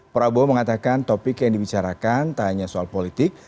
prabowo mengatakan topik yang dibicarakan tak hanya soal politik